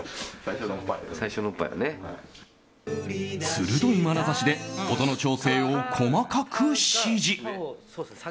鋭いまなざしで音の調整を細かく指示。